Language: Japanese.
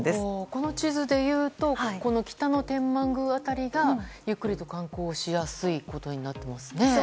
この地図でいうと北野天満宮辺りがゆっくりと観光しやすいことになっていますね。